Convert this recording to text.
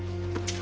あ！